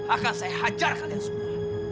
akan saya hajar kalian semua